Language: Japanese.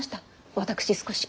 私少し。